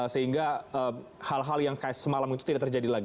sehingga hal hal yang semalam itu tidak terjadi lagi